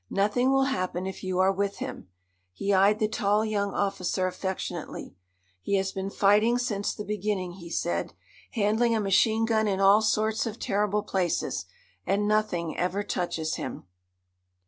Nothing will happen if you are with him." He eyed the tall young officer affectionately. "He has been fighting since the beginning," he said, "handling a machine gun in all sorts of terrible places. And nothing ever touches him."